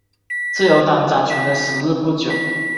自由党掌权的时日不久。